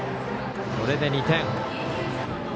これで２点。